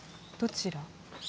どちら？